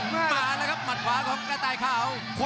มาแล้วครับหมัดขวาของกระต่ายขาว